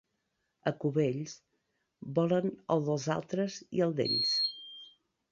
A Cubells, volen el dels altres i el d'ells.